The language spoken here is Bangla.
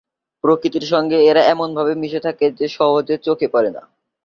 প্রকৃতির সঙ্গে এরা এমনভাবে মিশে থাকে যে সহজে চোখে পড়ে না।